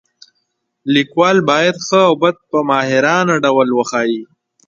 لیکوال باید ښه او بد په ماهرانه ډول وښایي.